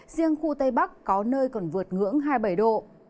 riêng khu tây bắc có nơi còn vượt ngưỡng hai mươi bảy độ